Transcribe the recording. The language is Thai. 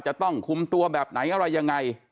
จะต้องคุมตัวแบบไหนอะไรยังไง